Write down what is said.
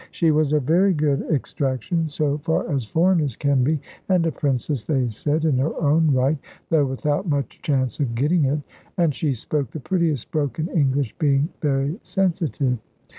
She was of very good extraction, so far as foreigners can be, and a princess (they said) in her own right, though without much chance of getting it. And she spoke the prettiest broken English, being very sensitive.